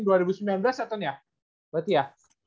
debut tahun dua ribu sembilan belas setan ya berarti ya